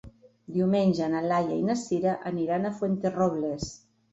Diumenge na Laia i na Sira aniran a Fuenterrobles.